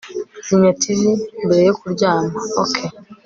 Zimya TV mbere yo kuryama OK